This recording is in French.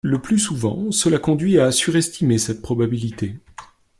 Le plus souvent, cela conduit à surestimer cette probabilité.